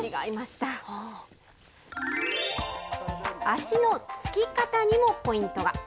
足のつき方にもポイントが。